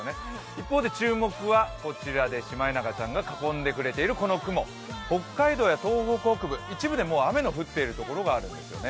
一方で注目はこちらでシマエナガちゃんがかこんでくれている雲、北海道や東北北部、一部では雨が降っている所があるんです。